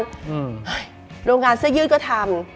เฮ้ยโรงงานเสื้อยืดก็ทำ